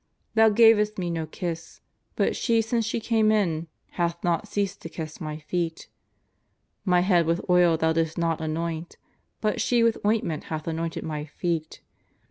Thou gavest Me no kiss, but she since she came in hath not ceased to kiss My feet. My head with oil thou didst not anoint, but she with ointment hath anointed My feet.